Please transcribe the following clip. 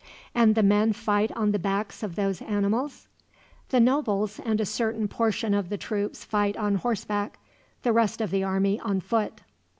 "And the men fight on the backs of those animals?" "The nobles and a certain portion of the troops fight on horseback, the rest of the army on foot."